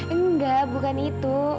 enggak bukan itu